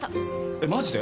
えっマジで？